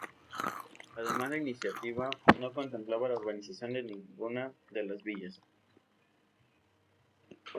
Además la iniciativa no contemplaba la urbanización de ninguna de las villas.